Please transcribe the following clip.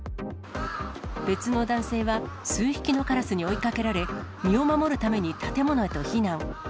別の男性は、数匹のカラスに追いかけられ、身を守るために建物へと避難。